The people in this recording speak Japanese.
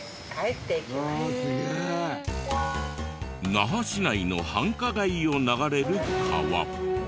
那覇市内の繁華街を流れる川。